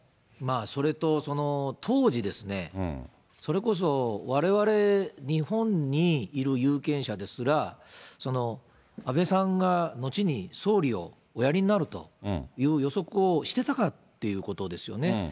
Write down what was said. それと当時、それこそわれわれ日本にいる有権者ですら、安倍さんが後に総理をおやりになるという予測をしてたかっていうことですよね。